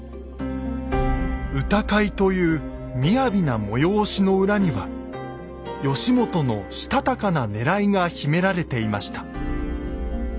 歌会というみやびな催しの裏には義元のしたたかなねらいが秘められていました。